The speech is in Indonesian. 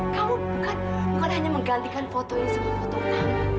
kamu bukan hanya menggantikan foto ini sama foto kamu